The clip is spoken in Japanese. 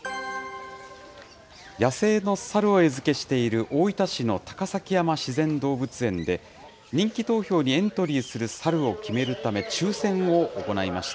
野生のサルを餌付けしている大分市の高崎山自然動物園で、人気投票にエントリーするサルを決めるため、抽せんを行いました。